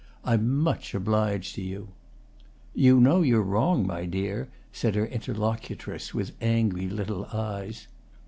"I'm much obliged to you." "You know you're wrong, my dear," said her interlocutress, with angry little eyes.